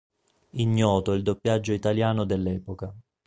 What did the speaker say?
Ignoto il doppiaggio italiano dell'epoca.